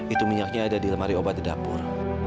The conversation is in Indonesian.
itu minyaknya ada di lemari obat di dapur